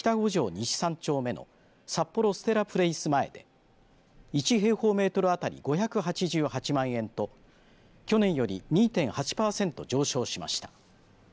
西３丁目の札幌ステラプレイス前で１平方メートル当たり５８８万円と去年より２．８パーセント上昇しました。